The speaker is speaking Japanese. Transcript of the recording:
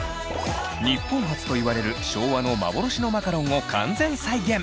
日本初といわれる昭和の幻のマカロンを完全再現！